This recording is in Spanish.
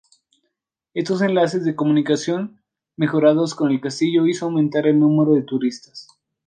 Estos enlaces de comunicación mejorados con el castillo hizo aumentar el número de turistas.